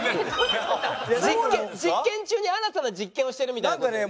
実験中に新たな実験をしてるみたいな事だよね？